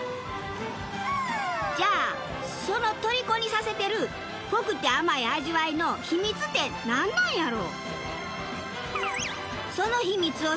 じゃあその虜にさせてる濃くて甘い味わいの秘密ってなんなんやろ？